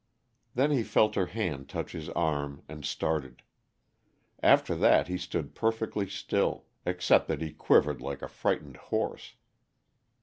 Then he felt her hand touch his arm, and started. After that he stood perfectly still, except that he quivered like a frightened horse.